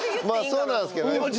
まあそうなんですけどね。